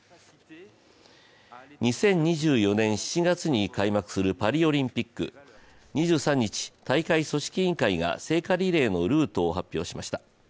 ２０２４年７月に開幕するパリオリンピック２３日、大会組織委員会が聖火リレーのルートを発表しました。